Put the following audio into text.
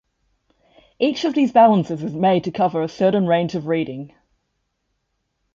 Each of these balances is made to cover a certain range of reading.